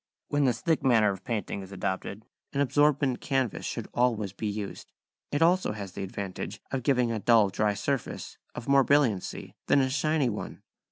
When this thick manner of painting is adopted, an absorbent canvas should always be used. It also has the advantage of giving a dull dry surface of more brilliancy than a shiny one.